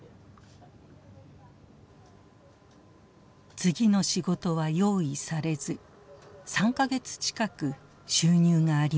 次の仕事は用意されず３か月近く収入がありません。